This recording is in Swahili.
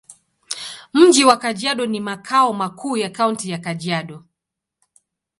Mji wa Kajiado ni makao makuu ya Kaunti ya Kajiado.